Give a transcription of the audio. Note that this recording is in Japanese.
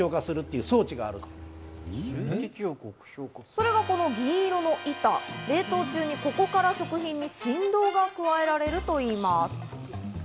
それがこれが銀色の板、冷凍中にここから食品に振動が加えられるといいます。